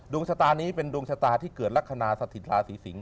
ชะตานี้เป็นดวงชะตาที่เกิดลักษณะสถิตราศีสิงศ